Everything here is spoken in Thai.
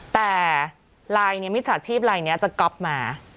แต่ไลน์มิจฉาชีพลายนี้จะก๊อปมา